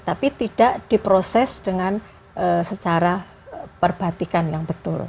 tapi tidak diproses dengan secara perbatikan yang betul